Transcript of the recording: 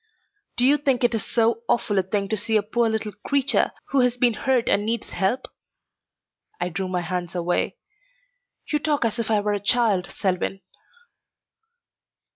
"Do you think it is so awful a thing to see a poor little creature who has been hurt and needs help?" I drew my hands away. "You talk as if I were a child, Selwyn."